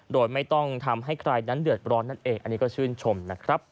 โดยไม่ต้องทำให้ใครนั้นเดือดร้อนนั่นเองอันนี้ก็ชื่นชมนะครับ